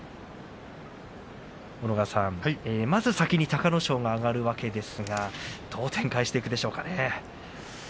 小野川さん、まず先に隆の勝が上がるわけですがどう展開していくでしょうかね。